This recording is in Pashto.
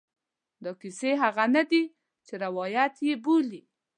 دا کیسې هغه نه دي چې روایت یې بولي.